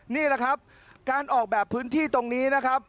นี่แหละครับการออกแบบพื้นที่ตรงนี้นะครับ